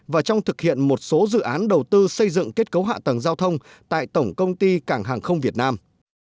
và trong thực hiện một số dự án đầu tư xây dựng kết cấu hạ tầng giao thông tại tổng công ty cảng hàng không việt nam